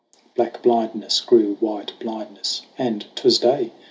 Black blindness grew white blindness and 'twas day.